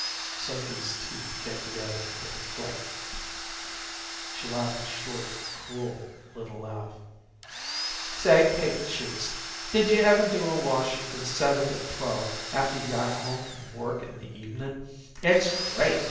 Sophy's teeth came together with a click. She laughed a short cruel little laugh. "Say, Pink Cheeks, did yuh ever do a washin' from seven to twelve, after you got home from work in the evenin'? It's great!